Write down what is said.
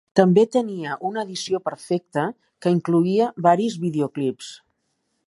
També tenia una "Edició Perfecte" que incloïa varis videoclips.